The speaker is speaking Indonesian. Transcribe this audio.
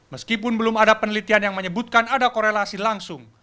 meskipun belum ada penelitian yang menyebutkan ada korelasi langsung